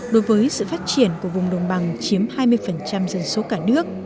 đối với sự phát triển của vùng đồng bằng chiếm hai mươi dân số cả nước